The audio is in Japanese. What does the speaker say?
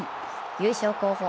優勝候補